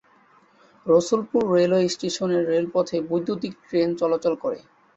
Rasulpur railway স্টেশনের রেলপথে বৈদ্যুতীক ট্রেন চলাচল করে।